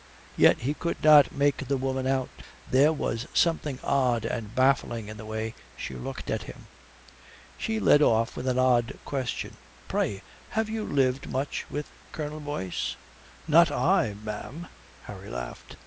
Yet he could not make the woman out. There was something odd and baffling in the way she looked at him. She led off with an odd question, "Pray, have you lived much with Colonel Boyce?" "Not I, ma'am." Harry laughed.